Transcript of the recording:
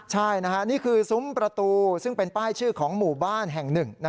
ใช่นี่คือซุ้มประตูซึ่งเป็นป้ายชื่อของหมู่บ้านแห่งหนึ่ง